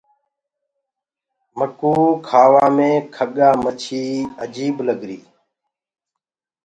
مڪوُ کآوآ مي کڳآ مڇي اجيب لگري۔